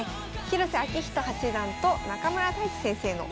広瀬章人八段と中村太地先生の。